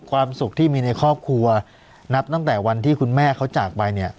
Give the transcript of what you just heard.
ความสุขที่มีในครอบครัวนับตั้งแต่วันที่คุณแม่เขาจากไปเนี่ย